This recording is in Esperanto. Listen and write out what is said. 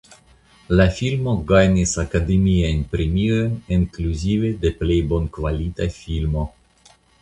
La filmo gajnis Akademiajn Premiojn inkluzive de Plej Bonkvalita Filmo.